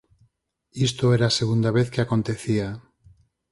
Isto era a segunda vez que acontecía.